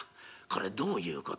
これどういうことか。